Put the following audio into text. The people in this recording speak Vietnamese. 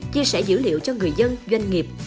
chia sẻ dữ liệu cho người dân doanh nghiệp